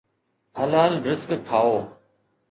حلال رزق کائو.